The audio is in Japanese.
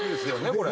これ。